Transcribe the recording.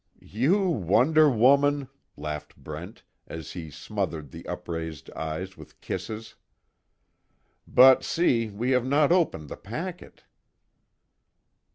"You wonder woman!" laughed Brent, as he smothered the upraised eyes with kisses, "But see, we have not opened the packet."